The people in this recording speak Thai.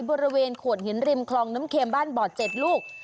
บริเวณโขดหินริมคลองน้ำเค็มบ้านบ่อ๗ลูก